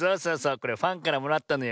これファンからもらったのよ。